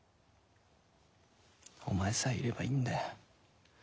お前さえいればいいんだ。